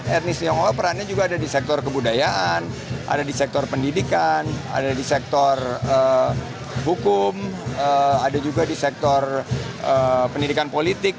etnis tionghoa perannya juga ada di sektor kebudayaan ada di sektor pendidikan ada di sektor hukum ada juga di sektor pendidikan politik